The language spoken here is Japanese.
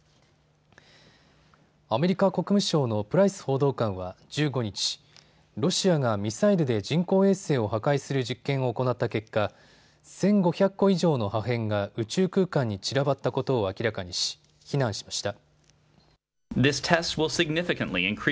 アメリカ国務省のプライス報道官は１５日、ロシアがミサイルで人工衛星を破壊する実験を行った結果、１５００個以上の破片が宇宙空間に散らばったことを明らかにし非難しました。